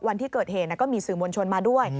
วันที่เกิดเหตุก็มีสื่อมวลชนมาด้วย